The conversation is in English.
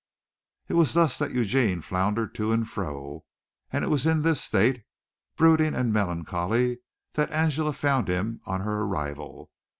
It was thus that Eugene floundered to and fro, and it was in this state, brooding and melancholy, that Angela found him on her arrival.